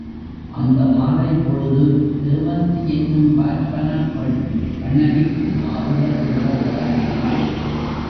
அந்த மாலைப் பொழுது தேவந்தி என்னும் பார்ப்பனப் பெண் கண்ணகிக்கு ஆறுதல் கூறத் தொடங்கினாள்.